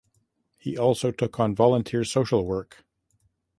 He also took on volunteer social work.